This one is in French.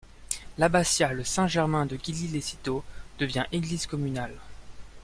L'abbatiale Saint Germain de Gilly les Citeaux, devient église communale.